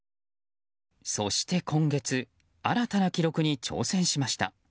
そして今月新たな記録に挑戦しました。